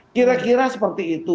kira kira seperti itu